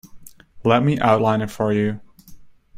Let me outline it for you.